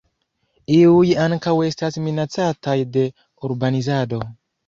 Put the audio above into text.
Iuj ankaŭ estas minacataj de urbanizado.